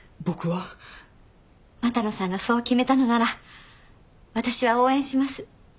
股野さんがそう決めたのなら私は応援します。